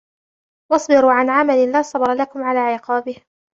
وَاصْبِرُوا عَنْ عَمَلٍ لَا صَبْرَ لَكُمْ عَلَى عِقَابِهِ